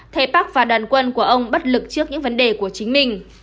thế bắc và đoàn quân của ông bất lực trước những vấn đề của chính mình